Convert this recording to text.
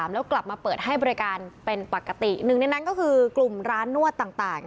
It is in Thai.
แล้วกลับมาเปิดให้บริการเป็นปกติหนึ่งในนั้นก็คือกลุ่มร้านนวดต่าง